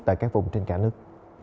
tại các vùng trên cả nước